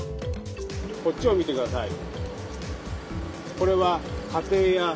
こっちを見てください。